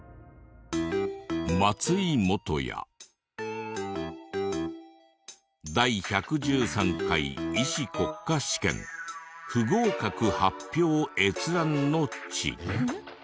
「松井元哉」「第１１３回医師国家試験」「不合格発表閲覧之地」